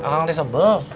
akang udah sebel